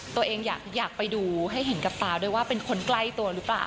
ตัวเองอยากไปดูให้เห็นกับตาด้วยว่าเป็นคนใกล้ตัวหรือเปล่า